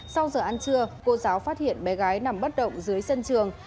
sau giờ ăn trưa cô giáo phát hiện bé gái nằm bất động dưới sân trường